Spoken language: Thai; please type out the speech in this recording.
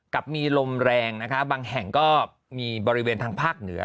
กับมีลมแรงนะคะบางแห่งก็มีบริเวณทางภาคเหนือ